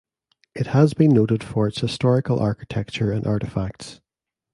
It has been noted for its historical architecture and artifacts.